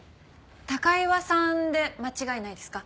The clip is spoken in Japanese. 高岩さんで間違いないですか？